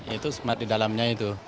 itu smart di dalamnya itu